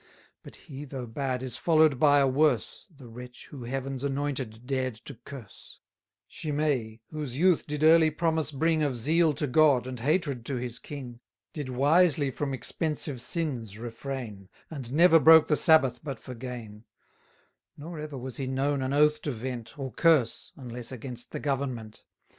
But he, though bad, is follow'd by a worse, The wretch who Heaven's anointed dared to curse; Shimei, whose youth did early promise bring Of zeal to God and hatred to his king, Did wisely from expensive sins refrain, And never broke the Sabbath but for gain; Nor ever was he known an oath to vent, Or curse, unless against the government.